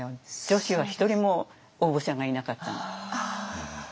女子は１人も応募者がいなかった最初ね。